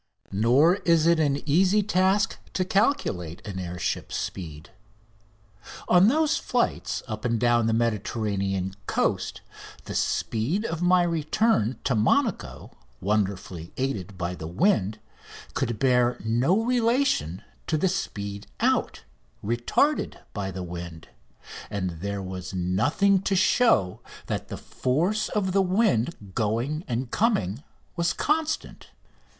Nor is it an easy task to calculate an air ship's speed. On those flights up and down the Mediterranean coast the speed of my return to Monaco, wonderfully aided by the wind, could bear no relation to the speed out, retarded by the wind, and there was nothing to show that the force of the wind going and coming was constant.